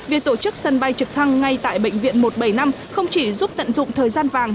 việc tổ chức sân bay trực thăng ngay tại bệnh viện một trăm bảy mươi năm không chỉ giúp tận dụng thời gian vàng